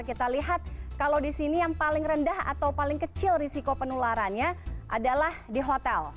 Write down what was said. kita lihat kalau di sini yang paling rendah atau paling kecil risiko penularannya adalah di hotel